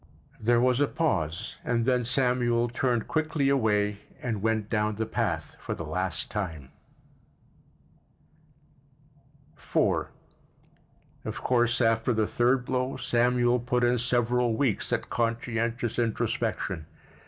There was a pause and then Samuel turned quickly away and went down the path for the last time. IV Of course, after the third blow Samuel put in several weeks at conscientious introspection.